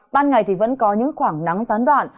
ban ngày vẫn có những khoảng nắng gián đoạn